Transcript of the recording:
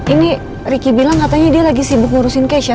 ini riki bilang katanya dia lagi sibuk ngurusin kesya